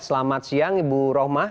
selamat siang ibu rohmah